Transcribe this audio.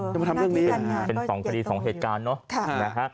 จะมาทำเรื่องนี้เป็นสองคดีสองเหตุการณ์เนาะ